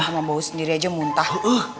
sama bau sendiri aja muntah